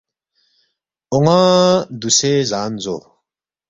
اون٘ا دوسے زان زو